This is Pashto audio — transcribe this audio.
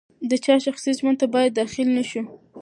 د چا شخصي ژوند ته باید داخل نه شو.